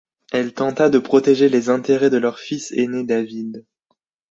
Elle tenta de protéger les intérêts de leur fils aîné, David.